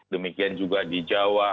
demikian juga di jawa